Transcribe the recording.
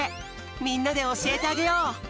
みんなでおしえてあげよう！